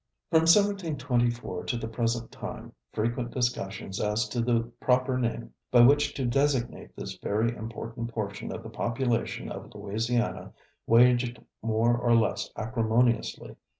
From 1724 to the present time, frequent discussions as to the proper name by which to designate this very important portion of the population of Louisiana waged more or less acrimoniously.